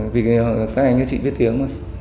vì các anh các chị biết tiếng